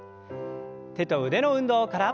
手と腕の運動から。